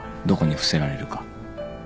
どこに伏せられるか。